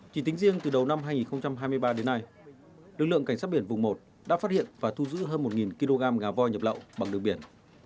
chỉ tính riêng từ đầu năm hai nghìn hai mươi ba đến nay lực lượng cảnh sát biển vùng một đã phát hiện và thu giữ hơn một kg gà voi nhập lậu bằng đường biển